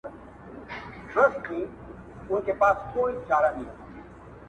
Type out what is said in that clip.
ده ده سقراط لوڼې، سچي فلسفې سترگې